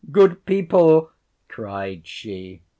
good people! cried she.